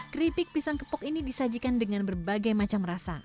keripik pisang kepok ini disajikan dengan berbagai macam rasa